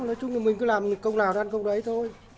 nói chung là mình cứ làm công nào dân công đấy thôi